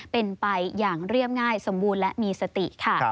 เป็นไปอย่างเรียบง่ายสมบูรณ์และมีสติค่ะ